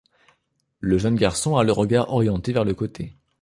Le jeune garçon a le regard orienté vers le côté.